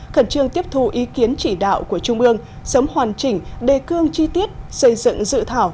khẩn trương tiếp thu ý kiến chỉ đạo của trung ương sớm hoàn chỉnh đề cương chi tiết xây dựng dự thảo